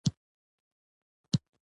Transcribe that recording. ما به څو ځله بهانه کوله ترڅو هلته ورشم